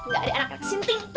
gak ada anak anak sinting